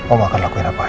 om akan lakuin apa aja